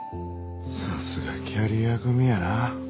さすがキャリア組やな。